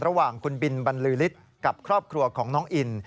ระหว่างคุณบินบรรลือฤทธิ์กับครอบครัวของน้องอิน